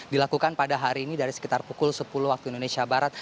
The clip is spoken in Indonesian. dilakukan pada hari ini dari sekitar pukul sepuluh waktu indonesia barat